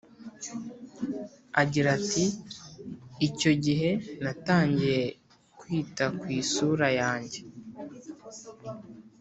Agira Ati Icyo Gihe Natangiye Kwita Ku Isura Yanjye